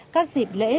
các dịp lễ